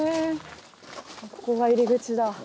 ここが入り口だ。